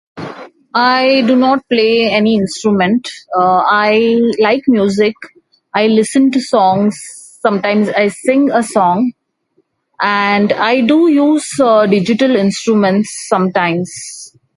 I do not play any instrument. I l- like music. I listen to songs s- sometimes I sing a song. And I do use digital instruments sometimes.